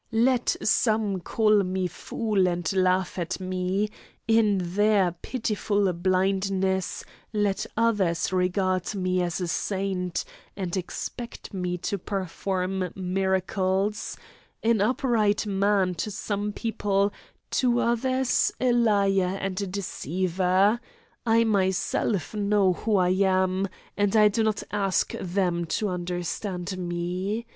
Let some call me a fool and laugh at me; in their pitiful blindness let others regard me as a saint and expect me to perform miracles; an upright man to some people, to others a liar and a deceiver I myself know who I am, and I do not ask them to understand me.